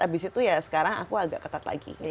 abis itu ya sekarang aku agak ketat lagi